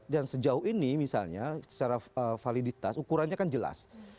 dan sejauh ini misalnya secara validitas ukurannya kan jelas